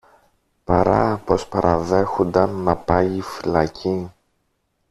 παρά πως παραδέχουνταν να πάγει φυλακή